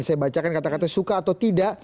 saya bacakan kata katanya suka atau tidak